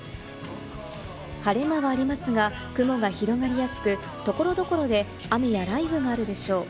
晴れ間はありますが、雲が広がりやすく、所々で雨や雷雨があるでしょう。